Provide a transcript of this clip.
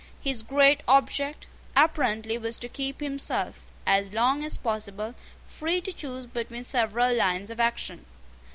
His great object, apparently, was to keep himself, as long as possible, free to choose between several lines of action.